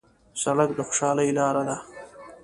سړک د خوشحالۍ لاره ده.